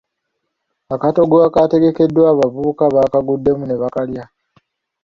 Akatogo akaategekeddwa abavubuka baakaguddemu ne bakalya.